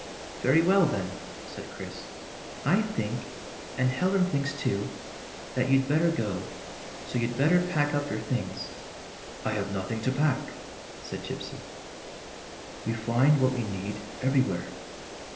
"Very well, then," said Chris. "I think — and Helen thinks, too — that you 'd better go. So you 'd better pack up your things —"" I have nothing to pack," said Gypsy. "We find what we need, everywhere.